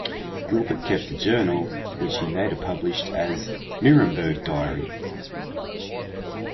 Gilbert kept a journal, which he later published as "Nuremberg Diary".